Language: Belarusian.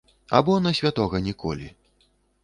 Або на святога ніколі.